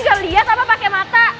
jalan gak liat apa pake mata